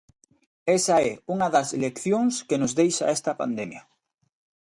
Esa é unha das leccións que nos deixa esta pandemia.